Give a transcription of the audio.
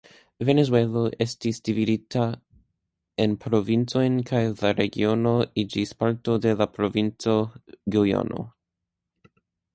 Venezuelo estis dividita en provincojn kaj la regiono iĝis parto de la provinco Gujano.